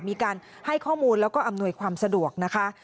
มีการให้ข้อมูลแล้วก็อำนวยความสะดวกนะคะ